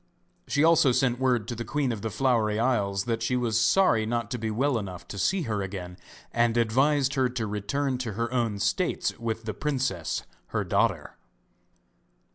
She also sent word to the Queen of the Flowery Isles that she was sorry not to be well enough to see her again, and advised her to return to her own states with the princess, her daughter.